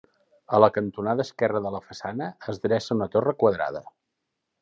A la cantonada esquerra de la façana es dreça una torre quadrada.